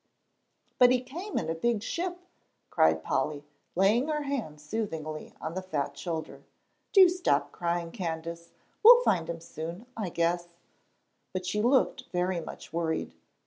"But he came in a big ship," cried Polly, laying her hand soothingly on the fat shoulder. "Do stop crying, Candace, we'll find him soon, I guess;" but she looked very much worried.